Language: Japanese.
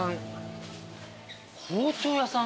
包丁屋さん？